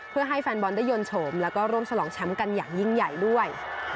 เพื่อให้แฟนบอลได้ยนต์โฉมแล้วก็ร่วมฉลองแชมป์กันอย่างยิ่งใหญ่ด้วย